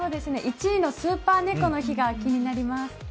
１位のスーパー猫の日が気になります。